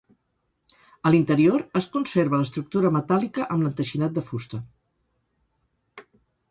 A l'interior es conserva l'estructura metàl·lica amb l'enteixinat de fusta.